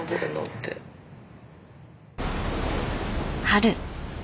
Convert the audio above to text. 春。